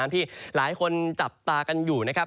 ที่หลายคนจับตากันอยู่นะครับ